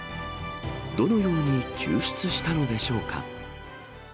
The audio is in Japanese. どのように救出したのでしょうか。